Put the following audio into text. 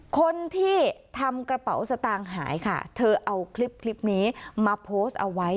คนที่ทำกระเป๋าสตางค์หายค่ะเธอเอาคลิปนี้มาโพสต์เอาไว้